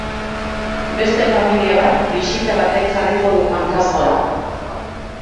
Beste familia bat bisita batek jarriko du hankaz gora.